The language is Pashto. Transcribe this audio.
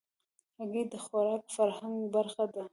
هګۍ د خوراک فرهنګ برخه ده.